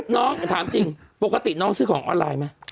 น้องถามจริงปกติน้องซื้อของออนไลน์ไหม